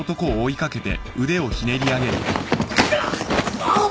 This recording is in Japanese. あっ！